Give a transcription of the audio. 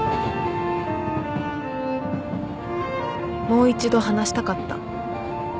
もう一度話したかった